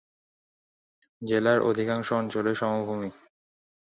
জেলার অধিকাংশ অঞ্চলই সমভূমি।